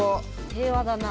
平和だなあ。